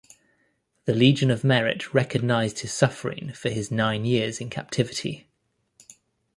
The Legion of Merit recognized his suffering for his nine years in captivity.